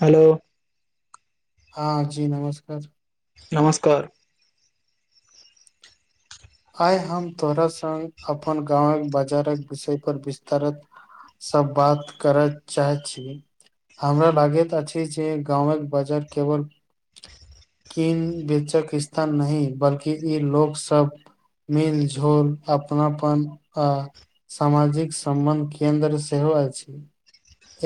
hello हँ जी नमस्कार नमस्कार आइ हम तोहरा संग अपन गांवक बाजारक विषयपर विस्तारत सब बात करय चाहैत छी हमरा लागैत अछि जे गाँवक बाजार केवल किन बेेचक स्थान नहि बल्कि ई लोकसभ मिल झोल अपनापन आ सामाजिक सम्मन केन्द्र सेहो अछि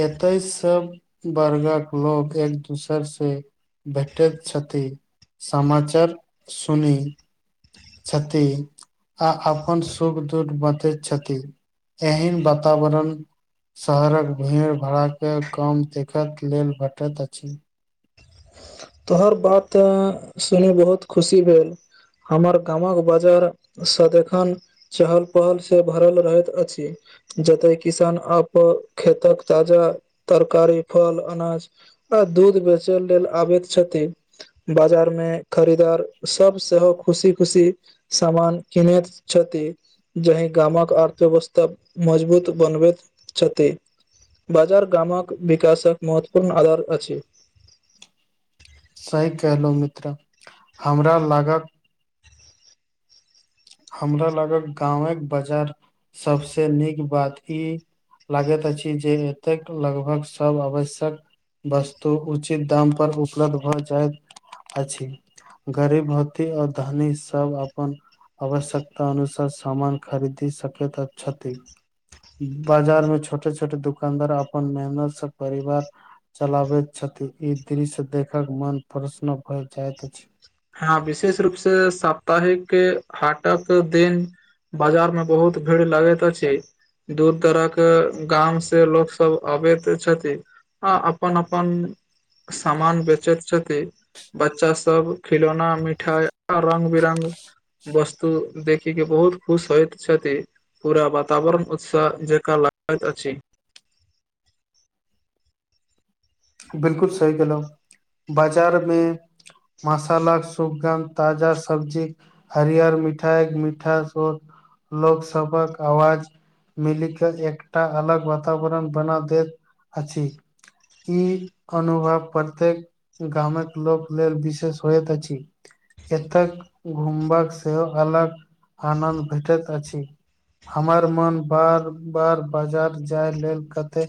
एतय सब वर्गक लोग एक दोसर से भेटैत छथि समाचार सुनी छथि ई आ अपन सुख दुःख टैत छथि एहेन बतावरण शहरक भीड़ भड़ाके कम देखड लेल भेटैत अछि तोहर बात सुनि बहुत खुशी भेल हमर गामक बाजार सदखन चहल पहल से भरल रहैत अछि जतय किसान आप खेतक ताजा तरकारी फल अनाज आ दूध बेचै लेल आबैत छथि बाजार मे खरीदार सबसं सेहो खुशी खुशी सामान कनैत छथि जाहि गामक अर्थव्यवस्था मजबूत बनबैत छथि बाजार ग्रामक विकासक महत्वपूर्ण आधार अछि सही कहलहुं मित्र हमरा लागत हमरा लागल गावंक बाजार सबस नीक बात ई लागैत अछि जे एतेक लगभग सब आवश्यक वस्तु उचित दाम पर उपलब्ध भ जाएत अछि गरीब धोती आओर धनी सब अपन आवश्यकता अनुसार सामन खरीदी सकैत छथि बाजार मे छोटे छोटे दुकानदार अपन मेहनत से परिवार चलाबैत छथि ई दृश्य देखक मन प्रसन्न भए जाइत अछि हँ विशेष रूप से साप्ताहिक हाटक दिन बाजार मे बहुत भीड़ लगैत अछि दू तरक गाम से लोक सब अबैत छथि आ अपन अपन समान बेचैत छथि बच्चा सब खिलौना मिठाइ आ बिरंग वस्तु देखिके बहुत खुश होइ छथि पूरा वातावरण उत्साह जेका ल गै तऽ अछि बिलकुल सही केलहुँ बाजारमे मशाला सुुकन ताजा सब्जी हरियर मिठाई मिठा सुक लोकसभक आवाज मिलिके एकटा अलग वातावरण बना देत अछि ई अनुभव प्रत्येक गामक लोक लेल विशेष होयत अछि एतय घुमबाक सेहो अलग आनन्द भेटैत अछि हमर मन बार बार बाजार जाय लेलल कते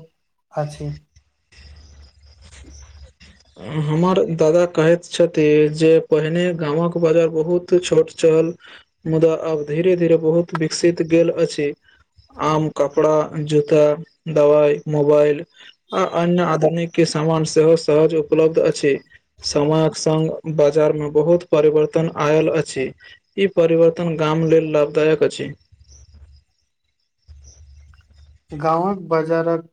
आ छी [inaudible] हमर दादा कहैत छथिन जे पहिने गामक बाजार बहुत छोट छ ल मुदा आब धीरे धीरे बहुत विकसित गेल अछि आम कपड़ा जूता दवाइ मोबाइल आ अन्य आधुनिक किस सामान सेहो सहज उपलब्ध अछि समयक संग बाजारमे बहुत परिवर्तन आयल अछि ई परिवर्तन गा म लेल लाभदायक अछि गाँवक बाजारक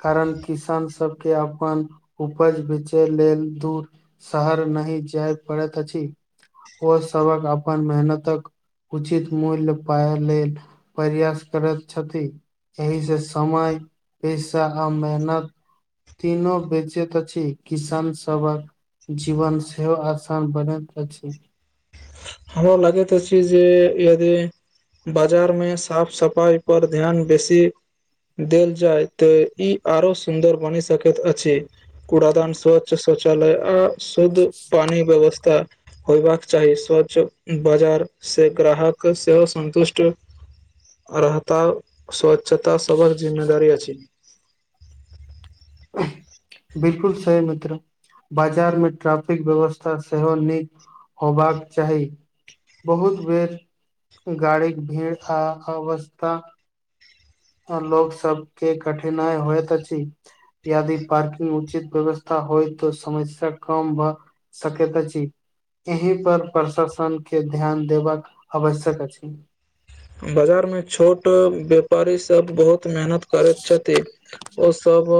कारण किसान सभके अपन उपज बेचय लेल दूर शहर नहि जाय पड़ैत अछि ओ सबन अपन मेहनतक उचित मूल्य पाय लेल प्रयास करैत छथि एहि से समय पेसा आ मेहनत तीनो बेचेत अछि किसान सभक जीवन सेहो आसान बनैत अछि हमरा लागैत छी जे यदि बाजारमे साफ सफाइ पर ध्यान बेसी देल जाय तऽ ई आरो सुन्दर बनि सकैत अछि कूड़ादान स्वच्छ शौचालय आ शुद्ध पानी क व्यवस्था होयबाक चाही श्व बाजार से ग्राहक सेहो संतुष्ट रहता स्वच्छता सबहक जिम्मेदारी अछि [inaudible] बिलकुल सही मित्र बाजारमे ट्रैफिक व्यवस्था सेहो नीक होबाक चाही बहुत बेर गाड़ीक भीड़ आ अवस्था आओर लोक सबके कठिनाई होइत अछि यदि पार्किंग उचित व्यवस्था होय तऽ समस्या कम भ सकैत अछि एहि पर प्रशासनके ध्यान देबाक आवश्यक अछि बाजारमे छोट व्यापारी सब बहुत मेहनत करैत छथि ओसब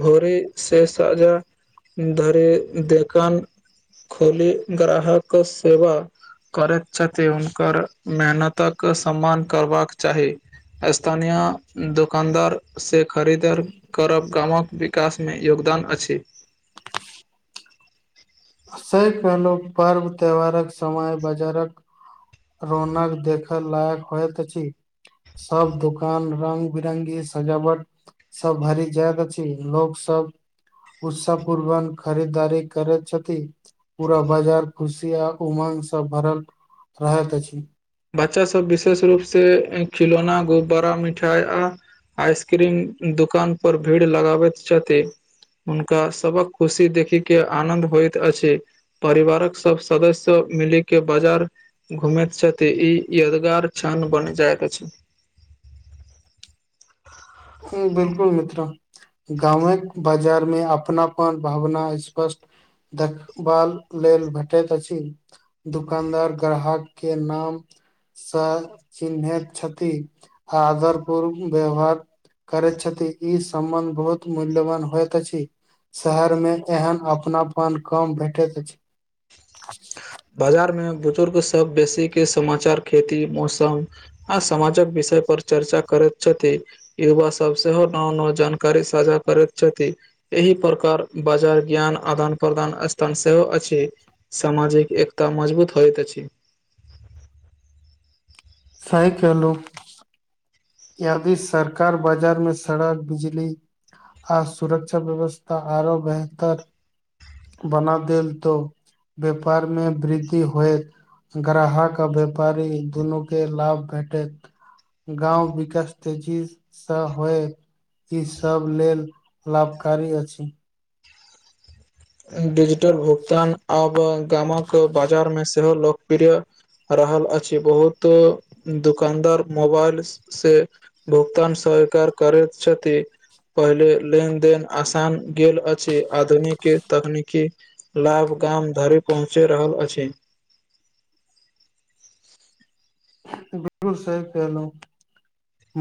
भोरे से साजा धरे देखन खोली ग्राहक सेवा करैत छथिन हुनकर मेहनतक के सम्मान करबाक चाही स्थानीया दोकानदार से खरीद करब गांमवक विकास मे योग दान अछि सेही कहलै लोक पर्व त्यौहारक समय बाजारक रौनक देखय लायक होइत अछि सब दुकान रंग बिरंगी सजावट सब भारी जयत छी लोग सब उत्साहपूर्वक खरीदारी करैत छथि पूरा बाजार खुशी आ उमंग सब भरल रहैत अछि बच्चा सब विशेष रूप से खिलौना गुब्बारा मिठाई आ आइसक्रीम दुकान पर भीड़ लगाबैत छथि हुनका सबक खुशी देखी के आनंद होइत अछि परिवारक सभ सदस्य मिली के बाजार घुमैत छैथ तऽ ई यादगार क्षण बनि जायत अछि हू बिलकुल मित्रा गाँवक बाजार मे अपनापन भावना स्पष्ट देखबाल लेल भेटैत अछि दुकानदार ग्राहक के नाम सब चिन्हैत छथि आदर पूर्व व्यवहार करैत छथि ई सम्बन्ध बहुत मूल्यवान होइत अछि शहर मे एहन अपनापन कम भेटैत अछि बाजार मे बुजुर्ग सब बेसी के समाचार खेती मौसम आ समाजक बी विषय पर चर्चा करैत छथि युवा सब सेहो नव नव जानकारी साझा करैत छथि एहि प्रकार बाजार ज्ञान आदान प्रदान स्थान सेहो अछि सामाजिक एकता मजबूत होइत अछि सही कहलो यदि सरकार बाजार मे सड़क बिजली आ सुरक्षा व्यवस्था आओरो बेहतर बना देल तऽ व्यापार मे वृद्धि होयत ग्राहक आ व्यापारी दुनू के लाभ भेंटेत गाँव बी विकास तऽ जीब से होइत ई सभ लेल लाभकारी अछि डिजिटल भुगतान आब गामक बाजारमे सेहो लोकप्रिय रहल अछि बहुत दुकानदार मोबाइल से भुगतान सब सरकार करैत छथि पहिले लेनदेन आसान गेल अछि आधुनिक के तकनीकी लाभ गाम धरि पहुँचि रहल अछि [unintelligible] बिलकुल सही कहलौ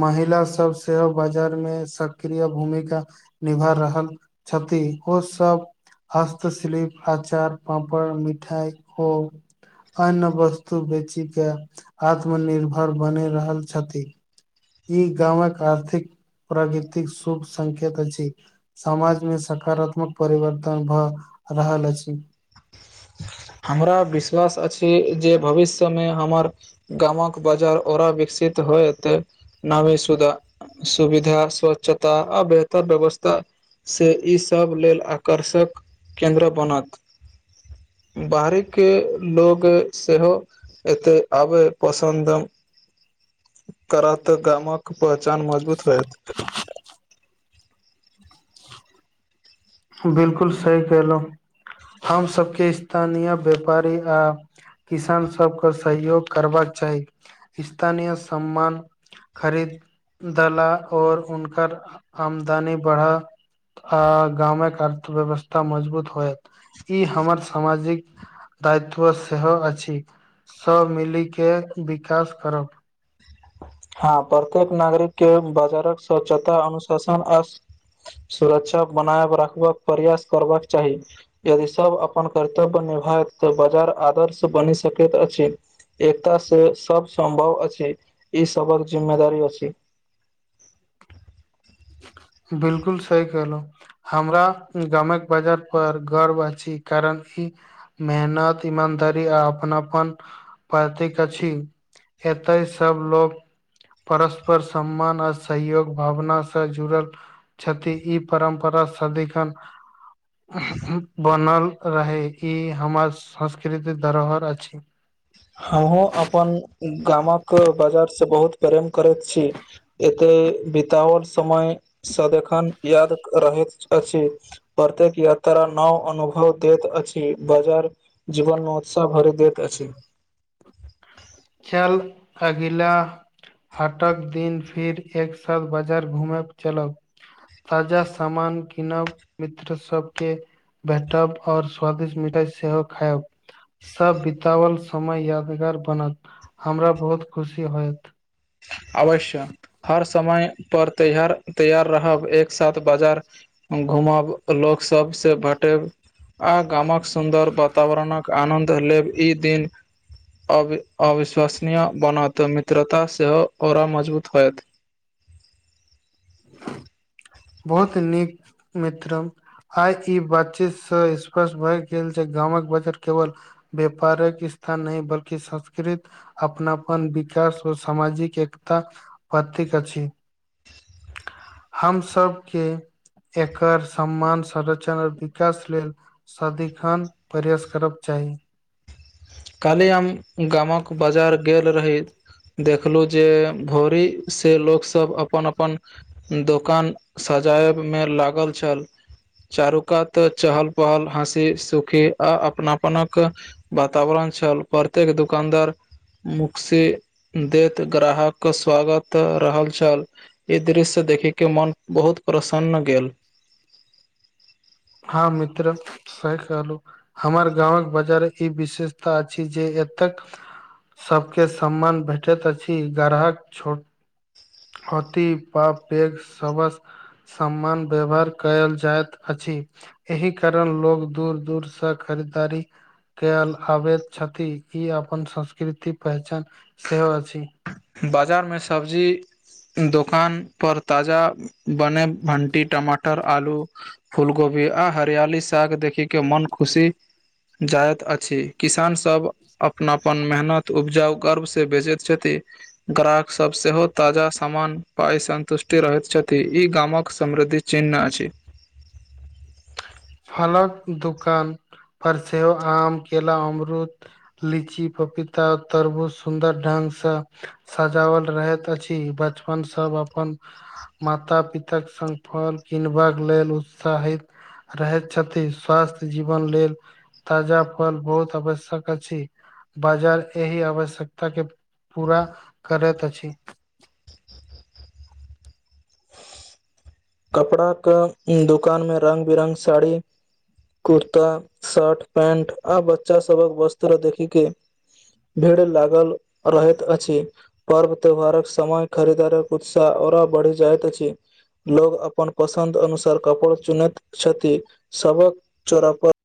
महिला सब सेहो बाजार मे सक्रिय भूमिका निभा रहल छ छथि ओ सब हस्तशिल्प अचार पापड़ मिठाइ ओ अन्य वस्तु बेची के आत्मनिर्भर बनि रहल छथि ई गामक आर्थिक प्रकृतिक शुभ संकेत अछि समाजमे सकारातात्मक परिवर्तन भऽ रहल अछि [unintelligible] हमरा विश्वास अछि जे भविष्यमे हमर गामक बाजार आरो विकसित कित होइत नामी सुधा सुविधा स्वच्छता आ बेहतर व्यवस्था से ईसभ लेल आकर्षक केन्द्र बनत बाहरी के लोग सेहो एते आबय पसन्द करात गामक पहचान मजबूत होएत बिलकुल सही कहलौ हम सभके स्थानीय व्यापारी आ किसान सभके सहयोग करबाक चाही स्थानीय सम्मान खरीद दला आओर हुनकर आमदनी बढ़ा आ गामक अर्थव्यवस्था मजबूत होयत ई हमर सामाजिक दायित्व सेहो अछि सभ मिलि के विकास करब हँ प्रत्येक नागरिक के बाजारक स्वच्छता अनुशासन आ सुरक्षा बनायब रखबाक प्रयास करबाक चाही यदि सब अपन कर्तव्य भैत तऽ बाजार आदर्श बनि सकैत अछि एकता से सब सम्भव अछि ई सबर जिम्मेदारी अछि बिलकुल सही कहलहुँ हमरा गमेक बाजार पर गर्व अछि कारण मेहनत ईमानदारी आ अपनापन प्रतीक अछि एतय सब लोक परस्पर सम्मान आ सहयोग भावनासँ जुड़ल छथिति ई परम्परा सधिकन बनल रहय ई हमर संस्कृतिक धरोहर अछि हमहुँ अपन गामक बाजार से बहुत प्रेम करैत छी एते बितवल समय सदखन याद रहैत अछि प्रत्येक यात्रा नव अनुभव दैत अछि बजार जीवन नव उत्साह भरि दैत अछि चल अगिला हटक दिन फिर एक साथ बाजार घूमेब चलब ताजा सामान कीनब मित्र सबके भेटब आऔ स्वादिष्ट मिठाइ सेहो खायब सभ बितवल समय यादगार बनत हमरा बहुत खुशी होयत अवश्य हर समय पर तैहार तैयार रहब एक साथ बाजार घूमब लोक सब से भटेब आ गामक सुन्दर वातावरणक आनन्द लेब ई दिन अवि अविश्वसनीय बनत मित्रता सेहो ओरा मजबूत होयत बहुत नीक मित्रम आइ ई बातचीतसँ स्पष्ट भए गेल जे गामक बजार केवल व्यापारिक स्थान नहि बल्कि संस्कृत अपनापन विक विकाश ओ सामाजिक एकता प्रतीक अछि [inaudible] हम सभके एकर सम्मान संरक्षण और विकास लेल सदिखन प्रयास करब चाही चाही काल्हि हम गामक बाजार गेल रही देखलू जे भोरी से लोक सब अपन अपन दोकान सजायब मे लागल छल चारू कात चहल पहल हँसी सुखी आ अपनापनक बात वातावरण छल प्रत्येक दुकानदार मुकसि दैत ग्राहकक स्वागत रहल छल ई दृश्य देखैके मोन बहुत प्रसन्न गेल हँ मित्र सही कहलौ हमर गाँवक बाजार ई विशेषता अछि जे एतेक सभके सम्मान भेटैत अछि ग्राहक छोट अथि प पैघ सभक सामान व्यवहार कयल जाइत अछि एहि कारण लोग दूर दूरसँ खरीदारी कयल आबैत छथि ई अपन संस्कृति पहचान सेहो अछि बाजारमे सब्जी दोकान पर ताजा बने भंटी टमाटर आलू फूल गोभी आ हरियाली साग देखिके के मन खुशी जाइत अछि किसानसभ अपनापन मेहनत उपजाउ गर्व से बेचैत छथि ग्राहक सभ सेहो ताजा सामान पाइ सन्तुष्टि रहैत छथि ई गामक समृद्धि चिन्ह ना अछि फलक दुकान पर सेहो आम केला अमरूुद लीची फ पपिता तरबूत सुन्दर ढंगसँ सजावल रहैत अछि बचपन सभ अपन माता पिता संग फल किनबाक लेल उत्साहित रहैत छथि स्वास्थ जीवन लेल ताजा फल बहुत आवश्यक अछि बाजार एहि आवश्यकता के पूरा करैत अछि कपड़ा कऽ दुकान मे रंग बिरंग साड़ी कुर्ता सर्ट पैंट आ बच्चा सबक वस्त्र देखिके भीड़ लागल रहैत अछि पर्व त्यौहारक समय खरीदारक उत्साह ओरा बढ़ि जाइत अछि लोग अपन पसन्द अनुसार कपड़ा चुनैत छथि सभक चोरा पर